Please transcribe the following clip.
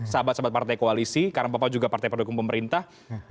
sahabat sahabat partai koalisi karena bapak juga partai pendukung pemerintah